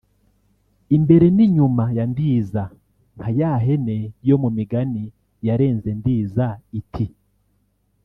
“imbere n’inyuma ya Ndiza” nka ya hene yo mu migani yarenze Ndiza iti